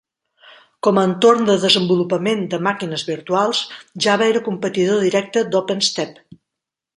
Com a entorn de desenvolupament de màquines virtuals, Java era competidor directe d'OpenStep.